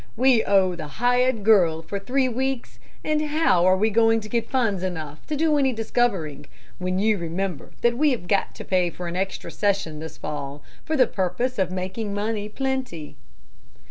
We owe the hired girl for three weeks; and how are we going to get funds enough to do any discovering, when you remember that we have got to pay for an extra session this fall for the purpose of making money plenty?"